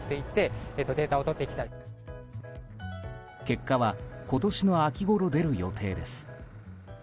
結果は今年の秋ごろ出る予定です。